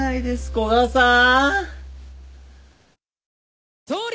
古賀さん！